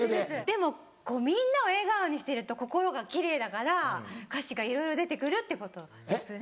でもみんなを笑顔にしてると心が奇麗だから歌詞がいろいろ出てくるってことですね。